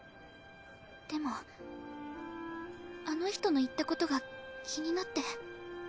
でもあの人の言ったことが気になって。